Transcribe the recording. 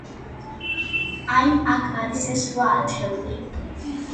აი, აქ არის ეს რვა ათეული.